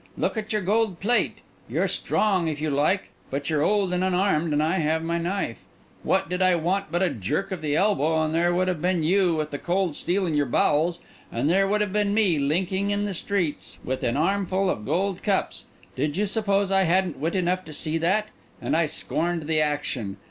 Look at your gold plate! You're strong, if you like, but you're old and unarmed, and I have my knife. What did I want but a jerk of the elbow and here would have been you with the cold steel in your bowels, and there would have been me, linking in the streets, with an armful of gold cups! Did you suppose I hadn't wit enough to see that? And I scorned the action.